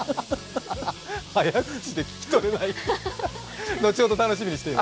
早口で聞き取れない。